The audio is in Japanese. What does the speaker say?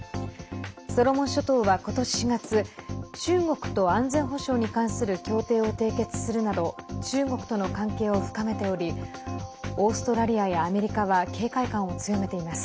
ソロモン諸島は今年４月中国と安全保障に関する協定を締結するなど中国との関係を深めておりオーストラリアやアメリカは警戒感を強めています。